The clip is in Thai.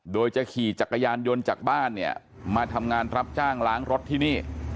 โดยจะขี่จักรยานยนต์จากบ้านเนี่ยมาทำงานรับจ้างล้างรถที่นี่